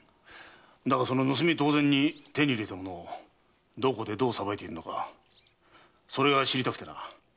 だがその盗み同然に手に入れた物をどこでどう捌いているのかそれが知りたくてな。